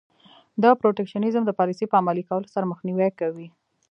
د protectionism د پالیسۍ په عملي کولو سره مخنیوی کوي.